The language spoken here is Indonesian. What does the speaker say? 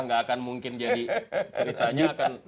nggak akan mungkin jadi ceritanya akan